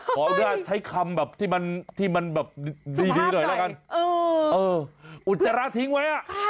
ขออุทุภาพใช้คำแบบที่มันที่มันแบบดีหน่อยแล้วกันสมภาพใจเออเอออุนจระถิงไว้อ่ะครับ